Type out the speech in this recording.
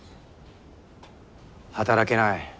働けない